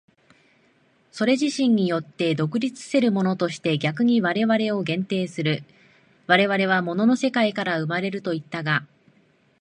それ自身によって独立せるものとして逆に我々を限定する、我々は物の世界から生まれるといったが、